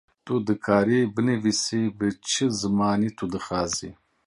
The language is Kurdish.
Tu dikarî binîvisî bi çi zimanî tu dixwazî.